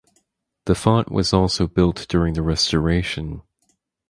The font was also built during the restoration.